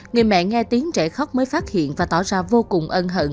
người mẹ nghe tiếng trẻ khóc mới phát hiện và tỏ ra vô cùng ân hận